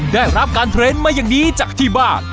ได้รับการเทรนด์มาอย่างนี้จากที่บ้าน